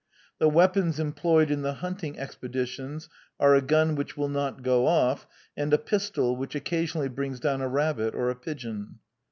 The weapons employed in the hunting expeditions are a gun which will not go off, and a pistol which occasionally brings down a rabbit or a pigeon.